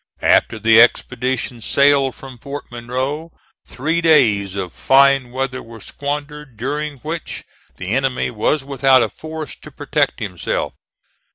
After the expedition sailed from Fort Monroe, three days of fine weather were squandered, during which the enemy was without a force to protect himself.